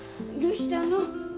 どしたの？